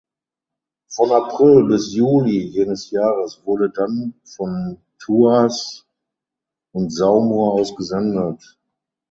Von April bis Juli jenes Jahres wurde dann von Thouars und Saumur aus gesendet.